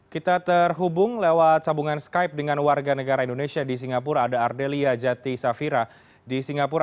kita terhubung lewat sambungan skype dengan warga negara indonesia di singapura ada ardelia jati safira di singapura